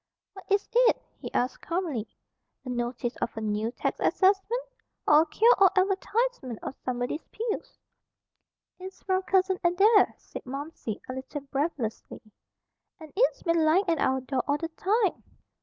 "What is it?" he asked calmly. "A notice of a new tax assessment? Or a cure all advertisement of Somebody's Pills?" "It's from Cousin Adair," said Momsey, a little breathlessly. "And it's been lying at our door all the time."